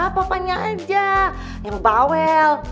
papanya aja yang bawel